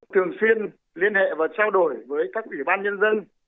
thường xuyên liên hệ và trao đổi với các ủy ban nhân dân